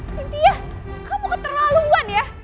cynthia kamu keterlaluan ya